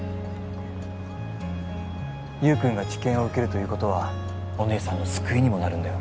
優君が治験を受けるということはお姉さんの救いにもなるんだよ